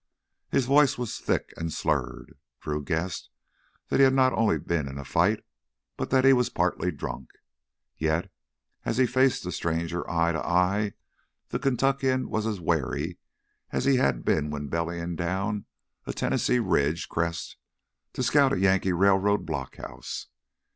His voice was thick and slurred. Drew guessed that he had not only been in a fight but that he was partly drunk. Yet, as he faced the stranger eye to eye, the Kentuckian was as wary as he had been when bellying down a Tennessee ridge crest to scout a Yankee railroad blockhouse.